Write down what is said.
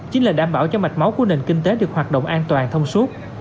chính là đảm bảo cho mạch máu của nền kinh tế được hoạt động an toàn thông suốt